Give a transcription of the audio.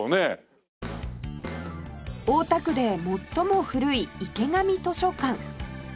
大田区で最も古い池上図書館